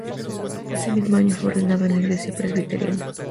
Ese mismo año fue ordenado en la Iglesia Presbiteriana.